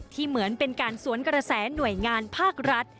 เหมือนเป็นการสวนกระแสหน่วยงานภาครัฐ